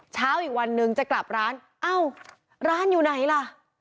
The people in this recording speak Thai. เช้าอีกวันนึงจะกลับร้านเอ้าร้านอยู่ไหนล่ะ